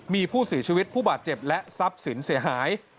มีผู้เสียชีวิตผู้บาดเจ็บและทรัพย์สินเสียหาย